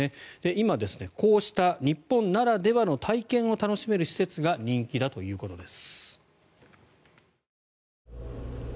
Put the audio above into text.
今、こうした日本ならではの体験を楽しめる施設が人気だということです。